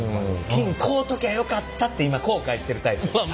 金買うときゃよかったって今後悔してるタイプ。